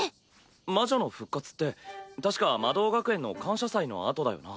魔女の復活って確か魔導学園の感謝祭のあとだよな。